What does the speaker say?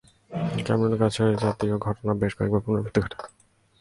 ক্যামেরুনের কাছে এজাতীয় ঘটনার বেশ কয়েকবার পুনরাবৃত্তি ঘটে।